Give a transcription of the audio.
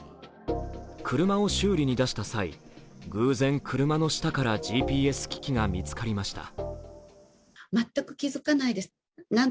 車を修理に出した際、偶然車の下からＧＰＳ機器が見つかりました。